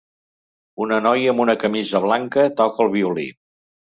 Una noia amb una camisa blanca toca el violí.